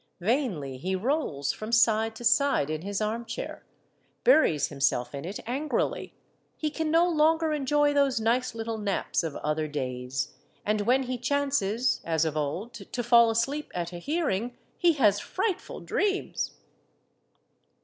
Vainly he rolls from side to side in his armchair, buries himself in it angrily: he can no longer enjoy those nice little naps of other days; and when he chances, as of old, to fall asleep at a hearing, he has frightful dreams